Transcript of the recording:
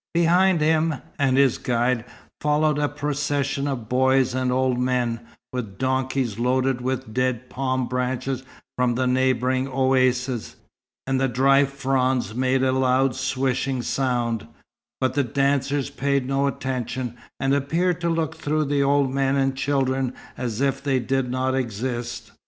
Behind him and his guide, followed a procession of boys and old men, with donkeys loaded with dead palm branches from the neighbouring oasis, and the dry fronds made a loud swishing sound; but the dancers paid no attention, and appeared to look through the old men and children as if they did not exist.